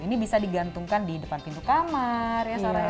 ini bisa digantungkan di depan pintu kamar ya suaranya